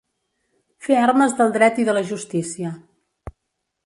Fer armes del dret i de la justícia.